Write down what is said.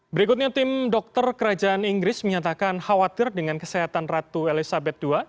berikutnya tim dokter kerajaan inggris menyatakan khawatir dengan kesehatan ratu elizabeth ii